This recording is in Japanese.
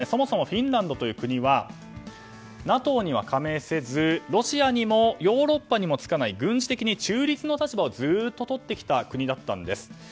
ただ、そもそもフィンランドという国はＮＡＴＯには加盟せずロシアにもヨーロッパにもつかない軍事的に中立の立場をずっと取ってきた国だったんです。